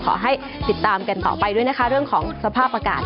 ขอให้ติดตามกันต่อไปด้วยนะคะเรื่องของสภาพอากาศ